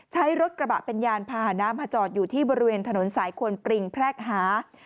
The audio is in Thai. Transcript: ใช้รถกระบะเป็นยานพาหาน้ำมาจอดอยู่ที่บริเวณถนนสายควนปริงแพรกหา